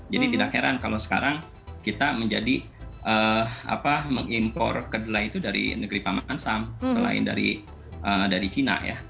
jadi tidak heran kalau sekarang kita menjadi mengimpor kedelai itu dari negeri paman sam selain dari china ya